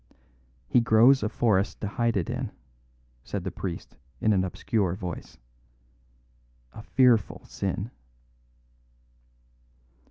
"He grows a forest to hide it in," said the priest in an obscure voice. "A fearful sin."